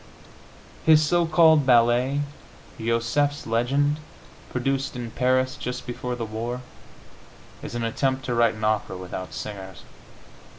His so called ballet, "Josefs Legend," produced in Paris just before the war, is an attempt to write an opera without singers.